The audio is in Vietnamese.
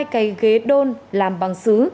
hai cây ghế đôn làm băng xứ